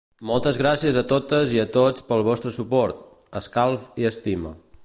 Moltes gràcies a totes i a tots pel vostre suport, escalf i estima.